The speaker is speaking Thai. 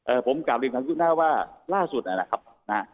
เอ่อผมกลับไปดูหน้าว่าล่าสุดนี้นะครับนะฮะ